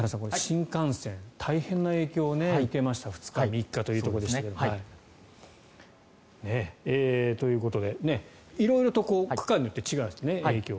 新幹線、大変な影響を受けました２日、３日というところでしたが。ということで色々と区間によって影響が違うんですよね。